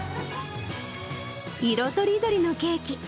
色とりどりのケーキ。